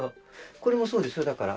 これもそうですよだから。